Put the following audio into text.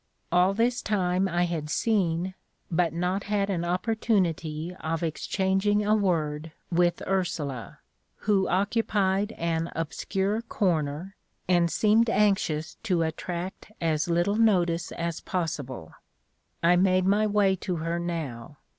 All this time I had seen, but not had an opportunity of exchanging a word with Ursula, who occupied an obscure corner, and seemed anxious to attract as little notice as possible. I made my way to her now.